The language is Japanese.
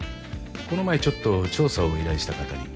この前ちょっと調査を依頼した方に。